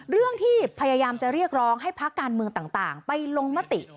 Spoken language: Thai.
เรื่องที่พยายามจะเรียกร้องให้พักการเมืองต่างไปลงมติ